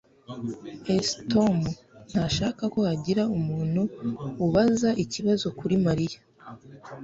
S Tom ntashaka ko hagira umuntu ubaza ibibazo kuri Mariya